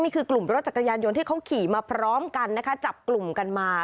กลุ่มรถจักรยานยนต์ที่เขาขี่มาพร้อมกันนะคะจับกลุ่มกันมา